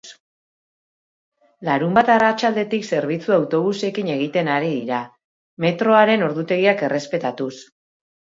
Larunbat arratsaldetik zerbitzua autobusekin egiten ari dira, metroaren ordutegiak errespetatuz.